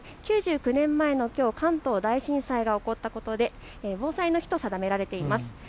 ９９年前、関東大震災が起こったことで防災の日と定められました。